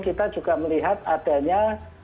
kita juga melihat adanya